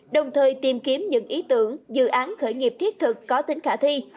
đồng thời tìm kiếm những ý tưởng dự án khởi nghiệp thiết thực có tính khả thi